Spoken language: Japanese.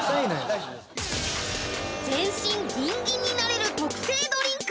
大丈夫です全身ギンギンになれる特製ドリンク